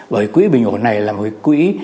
bởi quỹ bình ổn này là một quỹ